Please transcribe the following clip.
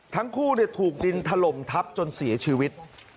ทั้งคู่ถูกดินถล่มทับจนเสียชีวิต